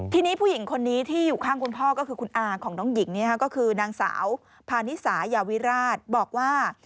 ทีนี้ผู้หญิงคนนี้ที่อยู่ข้างคุณพ่อก็คือคุณอาของน้องหญิงก็คือนางสาวพานิสายาวิราชบอกว่า